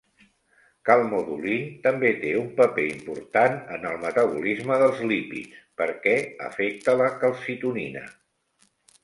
Calmodulin també té un paper important en el metabolisme dels lípids perquè afecta la calcitonina.